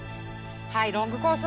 はいロングコース